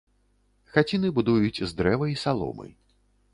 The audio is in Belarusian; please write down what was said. Хаціны будуюць з дрэва і саломы.